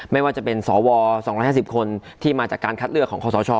ไม่ว่าจะเป็นสว๒๕๐คนที่มาจากการคัดเลือกของคอสช